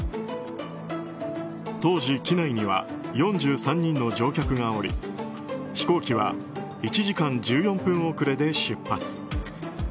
当時、機内には４３人の乗客がおり飛行機は１時間１４分遅れで出発。